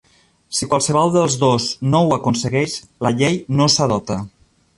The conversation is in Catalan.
Si qualsevol dels dos no ho aconsegueix, la llei no s'adopta.